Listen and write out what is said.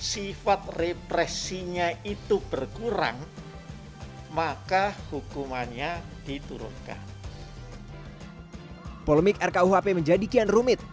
sifat represinya itu berkurang maka hukumannya diturunkan polemik rk uhp menjadi kian rumit